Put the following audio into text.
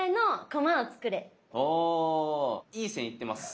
ああいい線いってます。